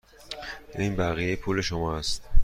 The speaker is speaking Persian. این بقیه پول شما است.